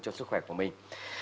cho sức khỏe của mình